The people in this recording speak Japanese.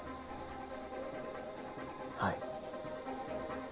はい